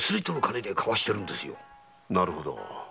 なるほど。